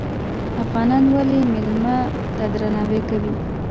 افغانان ولې میلمه ته درناوی کوي؟